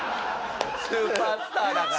スーパースターだから。